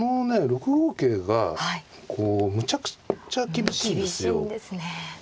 ６五桂がむちゃくちゃ厳しいですよ。